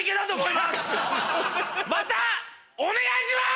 またお願いします‼